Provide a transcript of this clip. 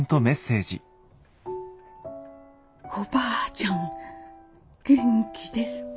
「おばあちゃん元気ですか？」。